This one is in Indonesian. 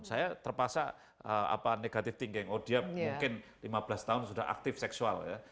saya terpaksa negative thinking oh dia mungkin lima belas tahun sudah aktif seksual ya